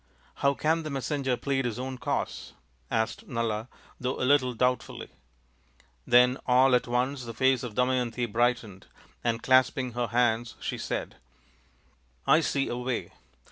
" How can the messenger plead his own cause ?" asked Nala, though a little doubtfully. Then all at once the face of Damayanti brightened, and clasping her hands she said :" I see a way.